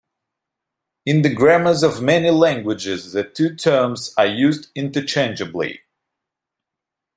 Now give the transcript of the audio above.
In the grammars of many languages the two terms are used interchangeably.